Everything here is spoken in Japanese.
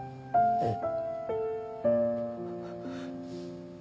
うん。